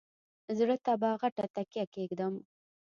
زړه ته به غټه تیګه کېږدم.